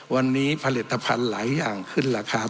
วันนี้ผลิตภัณฑ์หลายอย่างขึ้นราคา